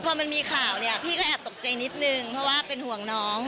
พอมันมีข่าวเนี่ยพี่ก็แอบตกใจนิดนึงเพราะว่าเป็นห่วงน้อง